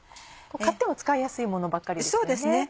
買っても使いやすいものばっかりですよね。